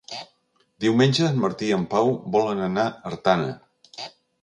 Diumenge en Martí i en Pau volen anar a Artana.